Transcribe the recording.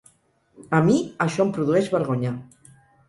A mi, això em produeix vergonya.